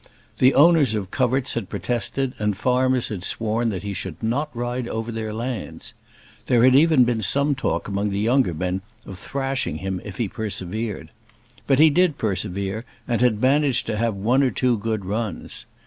The owners of coverts had protested, and farmers had sworn that he should not ride over their lands. There had even been some talk among the younger men of thrashing him if he persevered. But he did persevere, and had managed to have one or two good runs.